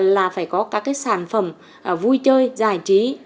là phải có các cái sản phẩm vui chơi giải trí